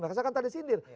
bahkan saya kan tadi sindir